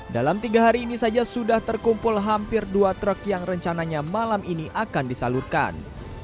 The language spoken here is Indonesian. dalam tiga hari ini saja sudah terkumpul hampir dua truk yang rencananya malam ini akan disalurkan